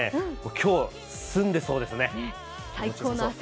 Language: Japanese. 今日、澄んでそうですね。